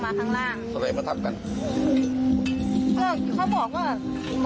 มาชนคนหนึ่งหนึ่งเลยครับถ้าเห็นเขาร้องก็คือแบบ